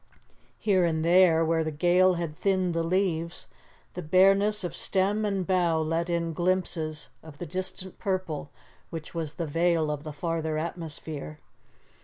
Here and there, where the gale had thinned the leaves, the bareness of stem and bough let in glimpses of the distant purple which was the veil of the farther atmosphere.